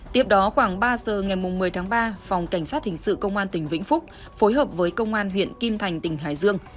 tiếp đó khoảng ba giờ ngày một mươi tháng ba phòng cảnh sát hình sự công an tỉnh vĩnh phúc phối hợp với công an huyện kim thành tỉnh hải dương